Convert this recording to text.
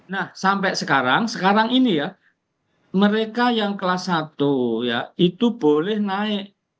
nah sampai sekarang sekarang ini ya mereka yang kelas satu ya itu boleh naik